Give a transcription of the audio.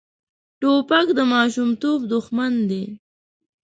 توپک د ماشومتوب دښمن دی.